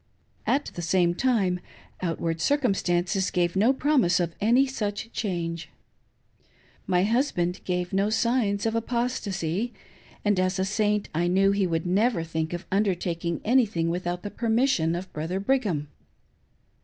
At the same time, outward cir cumstances gave no promise of any such change. My hus band gave no signs of apostacy, and, as a Saint, I knew he would never think of undertaking anything without the per mission of Brother Brigham.